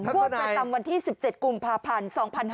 พบกันตามวันที่๑๗กุมภาพันธ์๒๕๖๕